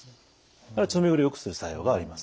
あるいは血の巡りをよくする作用があります。